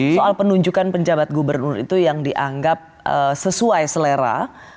soal penunjukan penjabat gubernur itu yang dianggap sesuai selera